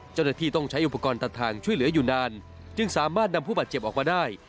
เจ้าหน้าที่ต้องใช้อุปกรณ์ตัดทางช่วยเหลืออยู่นานจึงสามารถนำผู้บาดเจ็บออกมาได้